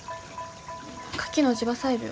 カキの地場採苗。